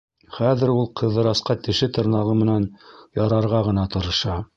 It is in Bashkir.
Хәҙер ул Ҡыҙырасҡа теше-тырнағы менән ярарға ғына тырыша.